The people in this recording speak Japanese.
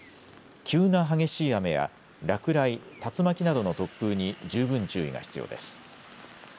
急な激しい雨や落雷、竜巻などの突風に十分注意が必要です。